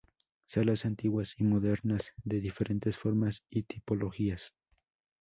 Salas antiguas y modernas, de diferentes formas y tipologías.